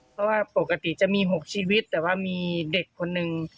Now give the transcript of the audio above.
เพราะว่าปกติจะมี๖ชีวิตแต่ว่ามีเด็กคนนึง